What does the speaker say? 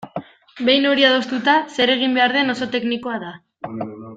Behin hori adostuta, zer egin behar den oso teknikoa da.